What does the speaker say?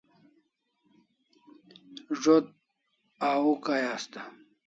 Zo't au Kai asta